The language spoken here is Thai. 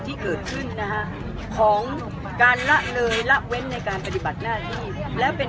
ที่เกิดขึ้นนะฮะของการละเลยละเว้นในการปฏิบัติหน้าที่แล้วเป็น